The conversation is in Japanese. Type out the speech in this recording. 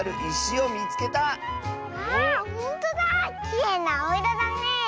きれいなあおいろだねえ。